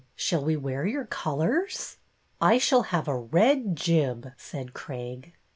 Shall we wear your colors ?"," I shall have a red jib," said Craig.